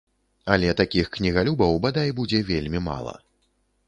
Але такіх кнігалюбаў, бадай, будзе вельмі мала.